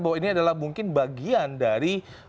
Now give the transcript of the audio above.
bahwa ini mungkin adalah bagian dari